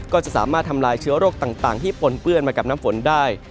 ก็จะสามารถทำลายเชื้อโรคต่างที่ปนเปื้อนมากับน้ำฝนได้